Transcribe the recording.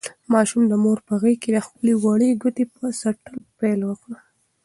ماشوم د مور په غېږ کې د خپلې وړې ګوتې په څټلو پیل وکړ.